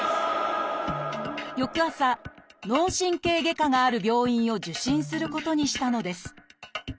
翌朝脳神経外科がある病院を受診することにしたのです。